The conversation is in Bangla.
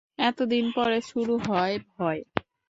এতদিন পরে শুরু হল ভয়!